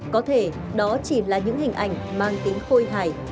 có thể đó chỉ là những hình ảnh mang tính khôi hài